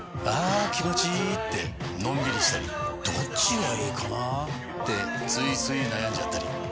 あ気持ちいいってのんびりしたりどっちがいいかなってついつい悩んじゃったり。